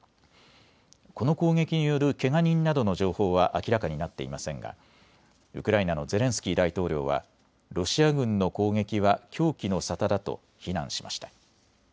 この攻撃によるけが人などの情報は明らかになっていませんがウクライナのゼレンスキー大統領はロシア軍の攻撃は狂気の沙汰だと非難しました。